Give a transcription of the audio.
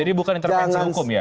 jadi bukan intervensi hukum ya